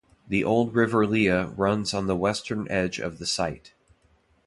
The Old River Lea runs on the western edge of the site.